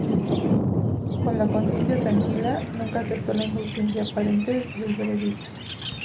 Con la conciencia tranquila, nunca aceptó la injusticia aparente del veredicto.